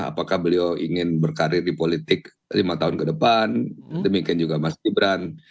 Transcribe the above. apakah beliau ingin berkarir di politik lima tahun ke depan demikian juga mas gibran